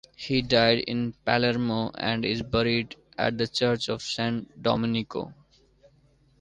He died in Palermo and is buried at the church of San Domenico.